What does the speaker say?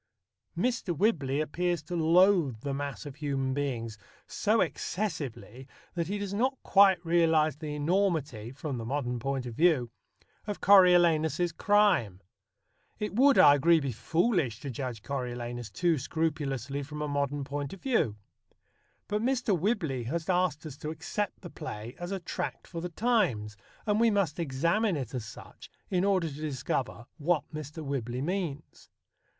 Mr. Whibley appears to loathe the mass of human beings so excessively that he does not quite realize the enormity (from the modern point of view) of Coriolanus's crime. It would, I agree, be foolish to judge Coriolanus too scrupulously from a modern point of view. But Mr. Whibley has asked us to accept the play as a tract for the times, and we must examine it as such in order to discover what Mr. Whibley means.